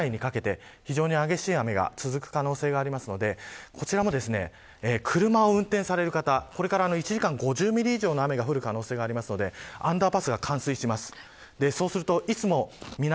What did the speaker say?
あしたの夜からあさっての朝ぐらいにかけて非常に激しい雨が続く可能性がありますのでこちらも車を運転される方これから１時間５０ミリ以上降る可能性がありますのでアンダーパスが冠水します。